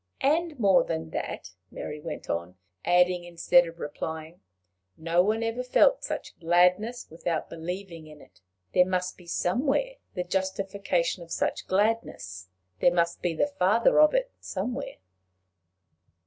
"And more than that," Mary went on, adding instead of replying, "no one ever felt such gladness without believing in it. There must be somewhere the justification of such gladness. There must be the father of it somewhere."